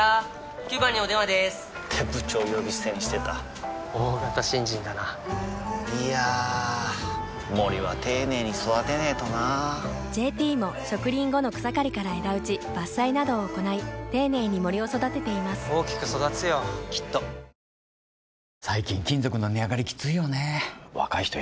９番にお電話でーす！って部長呼び捨てにしてた大型新人だないやー森は丁寧に育てないとな「ＪＴ」も植林後の草刈りから枝打ち伐採などを行い丁寧に森を育てています大きく育つよきっと「ない！ない！